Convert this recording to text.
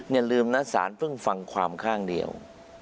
อย่าลืมนะสารเพิ่งฟังความข้างเดียว